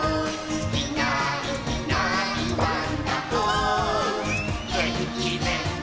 「いないいないワンダホーげんきぜんかい」